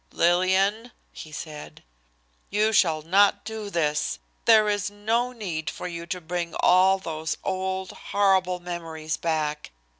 "Lillian," he said, "you shall not do this. There is no need for you to bring all those old, horrible memories back.